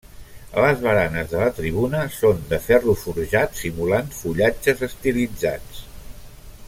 Les baranes de la tribuna són de ferro forjat simulant fullatges estilitzats.